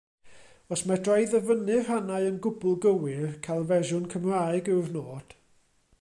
Os medra i ddyfynnu rhannau yn gwbl gywir, cael fersiwn Cymraeg yw'r nod.